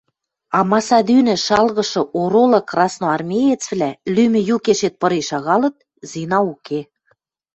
Амаса тӱнӹ шалгышы оролы красноармеецвлӓ лӱмӹ юкешет пырен шагалыт – Зина уке.